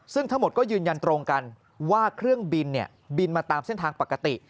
ซึ่งทั้งหมดก็ยืนยันตรงกันว่าเครื่องบินบินมาตามเส้นทางปกติ